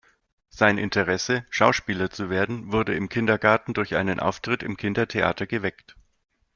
Sein Interesse, Schauspieler zu werden, wurde im Kindergarten durch einen Auftritt im Kindertheater geweckt.